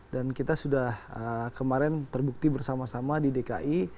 dan kita sudah kemarin terbukti bersama sama di dki